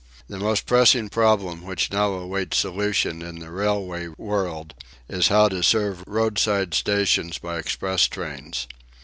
The most pressing problem which now awaits solution in the railway world is how to serve roadside stations by express trains.